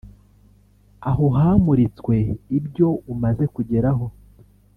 aho hamuritswe ibyo umaze kugeraho